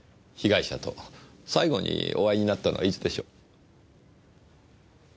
被害者と最後にお会いになったのはいつでしょう？